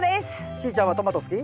しーちゃんはトマト好き？